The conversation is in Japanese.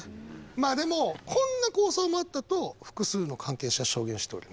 まあでもこんな構想もあったと複数の関係者は証言しております。